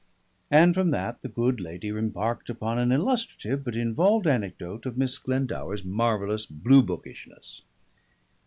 And from that the good lady embarked upon an illustrative but involved anecdote of Miss Glendower's marvellous blue bookishness....